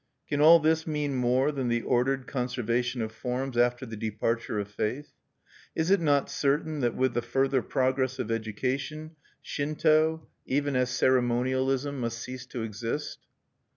Can all this mean more than the ordered conservation of forms after the departure of faith? Is it not certain that with the further progress of education, Shinto, even as ceremonialism, must cease to exist?